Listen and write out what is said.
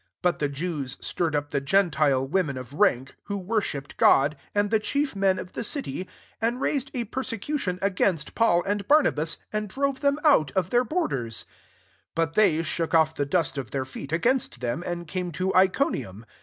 50 But the Jews stirred up the genfile wo men of rank, who worshipped God, and the chief men of the city, and raised a persecution against Paul and Barnabas, and drove them out of their bor ders* 51 But they shook off the dust of their feet against them, and came to Iconium.